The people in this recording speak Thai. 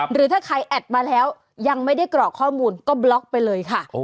หรือถ้าใครแอดมาแล้วยังไม่ได้กรอกข้อมูลก็บล็อกไปเลยค่ะ